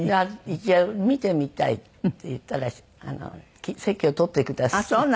一度見てみたいって言ったら席を取ってくだすって。